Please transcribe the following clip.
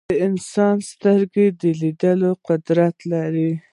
د انسان سترګې د لیدلو قدرت لري.